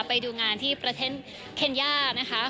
ไปดูงานที่ประเทศเคนย่านะคะ